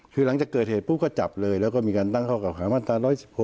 คือหลังจากเกิดเหตุปุ๊บก็จับเลยแล้วก็มีการตั้งข้อเก่าหามาตรา๑๑๖